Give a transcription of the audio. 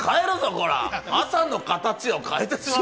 コラ、朝の形を変えてしまうぞ。